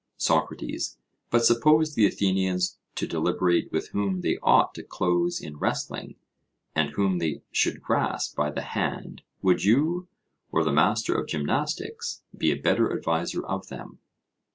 SOCRATES: But suppose the Athenians to deliberate with whom they ought to close in wrestling, and whom they should grasp by the hand, would you, or the master of gymnastics, be a better adviser of them?